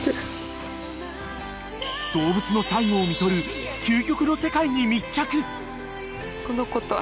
動物の最期をみとる究極の世界に密着。